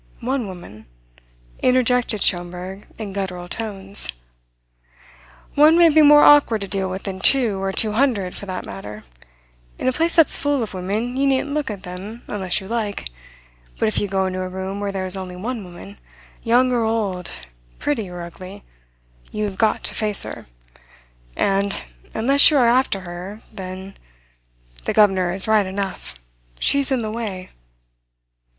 "One woman?" interjected Schomberg in guttural tones. "One may be more awkward to deal with than two, or two hundred, for that matter. In a place that's full of women you needn't look at them unless you like; but if you go into a room where there is only one woman, young or old, pretty or ugly, you have got to face her. And, unless you are after her, then the governor is right enough she's in the way."